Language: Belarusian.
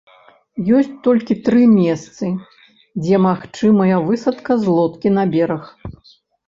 Ёсць толькі тры месцы, дзе магчымая высадка з лодкі на бераг.